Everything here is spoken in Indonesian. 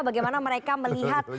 bagaimana mereka melihat